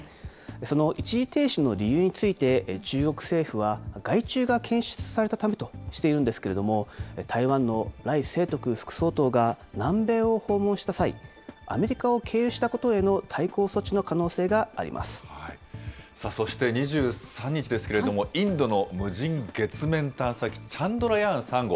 その一時停止の理由について、中国政府は害虫が検出されたためとしているんですけれども、台湾の頼清徳副総統が南米を訪問した際、アメリカを経由したことへのそして２３日ですけれども、インドの無人月面探査機、チャンドラヤーン３号。